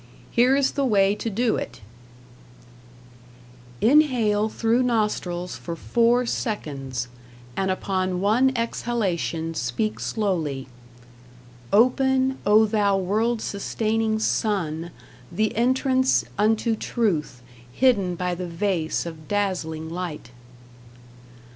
Here is the way to do it: Inhale through nostrils for four seconds, and upon one exhalation, speak slowly: Open, O thou world sustaining Sun, the entrance unto Truth hidden by the vase of dazzling light.